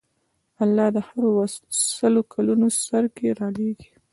الله د هرو سلو کلونو سر کې رالېږي.